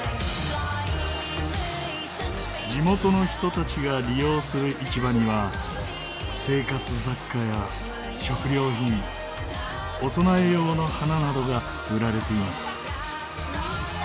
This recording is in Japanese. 地元の人たちが利用する市場には生活雑貨や食料品お供え用の花などが売られています。